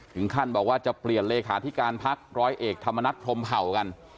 ถึงขั้นบอกว่าจะเปลี่ยนเลขาธิการพักร้อยเอกธรรมนัฐพรมเผ่ากัน